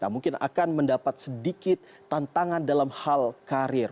mungkin akan mendapat sedikit tantangan dalam hal karir